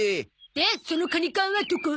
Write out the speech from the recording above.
でそのカニ缶はどこ？